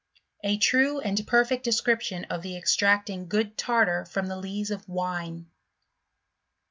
A true and perfect Description of the extracting i good Tartar from the Lees of Wine.